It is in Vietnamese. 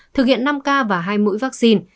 thực hiện năm ca và hai mũi vaccine